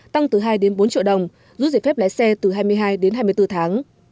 tăng từ hai bốn triệu đồng rút giải phép lái xe từ hai mươi hai hai mươi bốn tháng